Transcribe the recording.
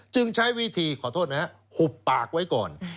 ใช้วิธีขอโทษนะครับหุบปากไว้ก่อน